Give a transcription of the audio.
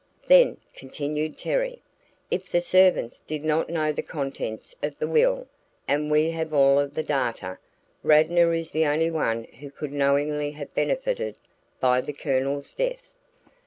"Then," continued Terry, "if the servants did not know the contents of the will, and we have all of the data, Radnor is the only one who could knowingly have benefited by the Colonel's death.